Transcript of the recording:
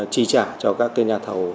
trí trả cho các cái nhà thầu